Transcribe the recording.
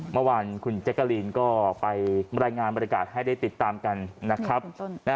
เมื่อวานคุณเจกกะลีนก็ไปรายงานให้ได้ติดตามกัน